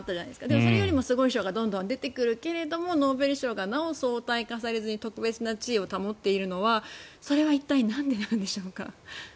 でもそれよりどんどんすごい賞が出てくるけどノーベル賞がなお相対化されずに特別な地位を保っているのはそれは一体なんでなんでしょうか。